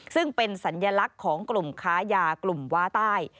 ซึ่งเป็นสัญลักษณ์ของกลุ่มค้ายากลุ่มว้าใต้